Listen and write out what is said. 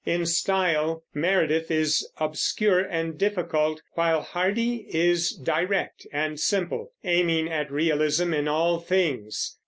In style, Meredith is obscure and difficult, while Hardy is direct and simple, aiming at realism in all things.